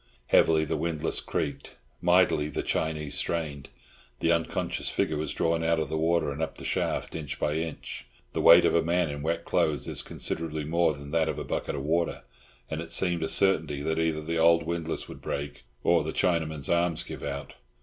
Heavily the windlass creaked. Mightily the Chinee strained. The unconscious figure was drawn out of the water and up the shaft, inch by inch. The weight of a man in wet clothes is considerably more than that of a bucket of water, and it seemed a certainty that either the old windlass would break or the Chinaman's arms give out.